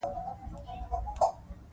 هغې په ځوانۍ کې ځان مسلکي لیکواله ګڼله.